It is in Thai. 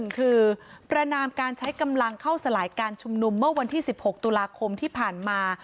คือประนามการใช้กำลังเข้าสลายการชุมนุมเมื่อวันที่๑๖ตุลาคมที่ผ่านมา